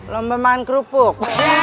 lomba main kerupuk